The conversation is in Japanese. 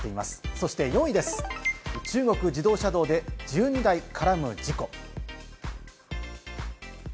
そして４位です、中国自動車道で１２台絡む事故。